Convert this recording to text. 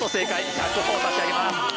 １００ほぉ差し上げます。